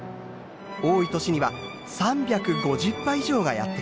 多い年には３５０羽以上がやって来ます。